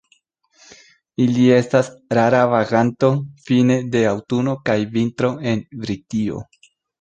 Ili estas rara vaganto fine de aŭtuno kaj vintro en Britio.